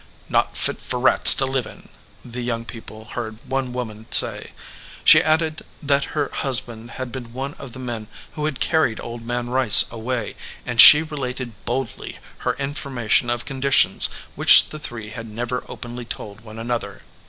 "Not fit for rats to live in," the young people heard one woman say. She added that her husband had been one of the men who had carried Old Man Rice away, and she related boldly her information of conditions which the three had never openly told one another.